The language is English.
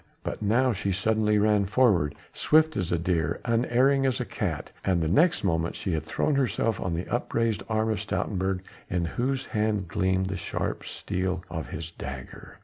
But now she suddenly ran forward, swift as a deer, unerring as a cat, and the next moment she had thrown herself on the upraised arm of Stoutenburg in whose hand gleamed the sharp steel of his dagger.